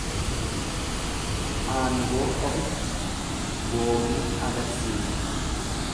Aangoo ofitti boonuu agarsiisa.